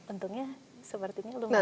untungnya sepertinya lumayan